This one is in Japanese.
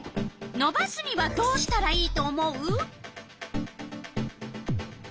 のばすにはどうしたらいいと思う？